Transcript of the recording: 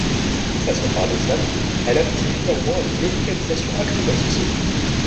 De façon paradoxale, elle aboutit finalement à une médicalisation accrue de la société.